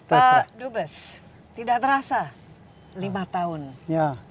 pak dubes tidak terasa lima tahun berada di indonesia